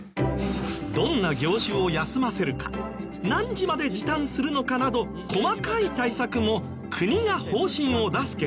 どんな業種を休ませるか何時まで時短するのかなど細かい対策も国が方針を出すけれど。